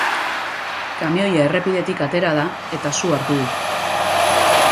Kamioia errepidetik atera da, eta su hartu du.